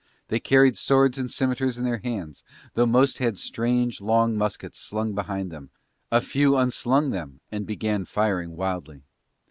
They carried swords and scimitars in their hands, though most had strange long muskets slung behind them, a few unslung them and began firing wildly.